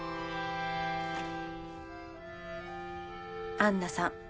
安奈さん